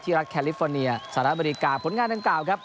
รัฐแคลิฟอร์เนียสหรัฐอเมริกาผลงานดังกล่าวครับ